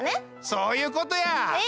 そういうことや。え